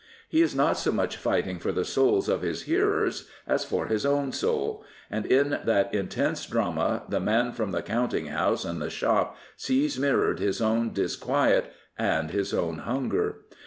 He is not so much fighting for the souls of his hearers as for his own soul, and in that intense drama the man from the counting house and the shop sees mirrored his own disquiet and his own hunger.